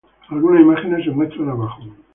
Algunas imágenes se muestran abajo.